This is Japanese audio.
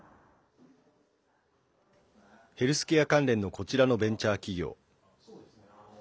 ヘルスケア関連のこちらのベンチャー企業。